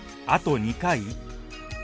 あと二回？